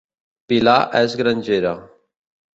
Pilar és grangera